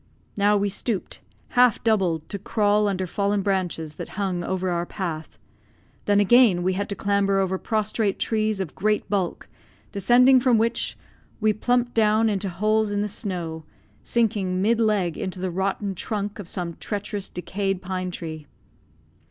Now we stooped, half doubled, to crawl under fallen branches that hung over our path, then again we had to clamber over prostrate trees of great bulk, descending from which we plumped down into holes in the snow, sinking mid leg into the rotten trunk of some treacherous, decayed pine tree.